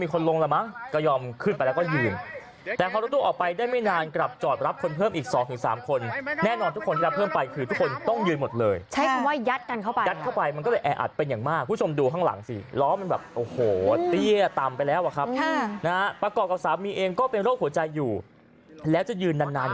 คนลงแล้วมั้งก็ยอมขึ้นไปแล้วก็ยืนแต่พอรถตู้ออกไปได้ไม่นานกลับจอดรับคนเพิ่มอีก๒๓คนแน่นอนทุกคนที่รับเพิ่มไปคือทุกคนต้องยืนหมดเลยใช้คำว่ายัดกันเข้าไปยัดเข้าไปมันก็เลยแออัดเป็นอย่างมากคุณผู้ชมดูข้างหลังสิล้อมันแบบโอ้โหเตี้ยต่ำไปแล้วอะครับนะฮะประกอบกับสามีเองก็เป็นโรคหัวใจอยู่แล้วจะยืนนานนาน